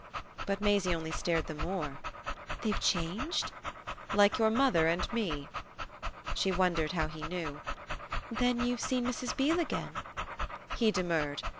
But Maisie only stared the more. "They've changed?" "Like your mother and me." She wondered how he knew. "Then you've seen Mrs. Beale again?" He demurred.